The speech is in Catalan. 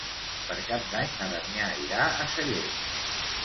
Per Cap d'Any na Damià irà a Sellent.